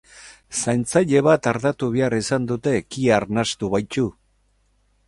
Zaintzaile bat artatu behar izan dute kea arnastu baitu.